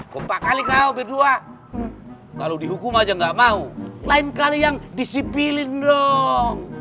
kompak kali kau berdua kalau dihukum aja gak mau lain kali yang disipilin dong